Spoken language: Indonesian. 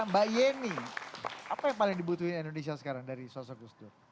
mbak yeni apa yang paling dibutuhkan indonesia sekarang dari sosok gus dur